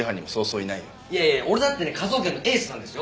いやいやいや俺だってね科捜研のエースなんですよ。